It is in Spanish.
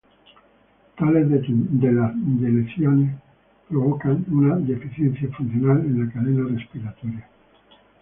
Tales deleciones provocan una deficiencia funcional en la cadena respiratoria.